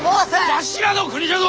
わしらの国じゃぞ！